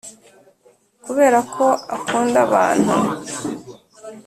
kubera ko akunda abantu.